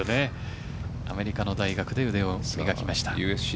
アメリカの大学で腕を磨きました。